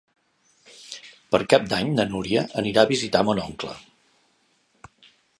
Per Cap d'Any na Núria anirà a visitar mon oncle.